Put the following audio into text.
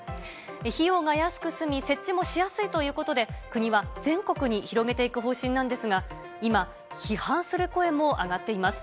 費用が安く済み、設置もしやすいということで、国は全国に広げていく方針なんですが、今、批判する声も上がっています。